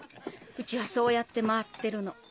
うちはそうやって回ってるの。